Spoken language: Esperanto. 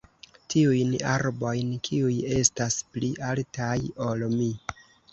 tiujn arbojn kiuj estas pli altaj ol mi!